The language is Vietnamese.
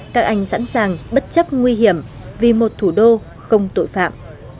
các anh sẵn sàng bất chấp nguy hiểm vì một thủ đô không tội phạm